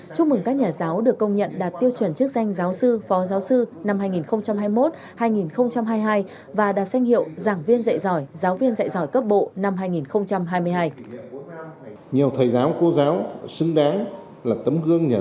chúc mừng các nhà giáo được công nhận đạt tiêu chuẩn chức danh giáo sư phó giáo sư năm hai nghìn hai mươi một hai nghìn hai mươi hai và đạt danh hiệu giảng viên dạy giỏi giáo viên dạy giỏi cấp bộ năm hai nghìn hai mươi hai